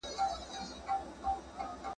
زړه یې لکه اوښکه د یعقوب راته زلال کړ `